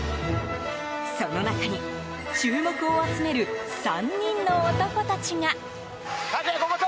その中に注目を集める３人の男たちが。